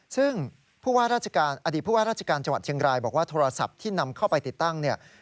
ซึ่งผู้ว่าราชการอดีตผู้ว่าราชการจังหวัดเชียงรายบอกว่าโทรศัพท์ที่นำเข้าไปติดตั้งเนี่ย